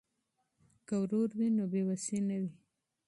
که ورور وي نو بې وسي نه وي.